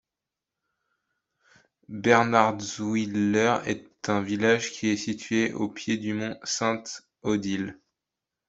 Bernardswiller est un village qui est situé au pied du mont Sainte-Odile.